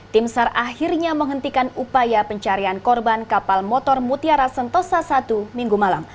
timsar akhirnya menghentikan upaya pencarian korban kapal motor mutiara sentosa satu minggu malam